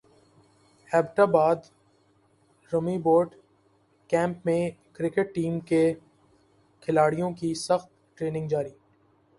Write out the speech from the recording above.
Abbott باد army boot camp میں cricket team کے کھلاڑیوں کی سخت ٹریننگ جاری